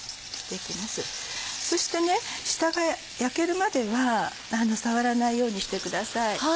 そして下が焼けるまでは触らないようにしてください。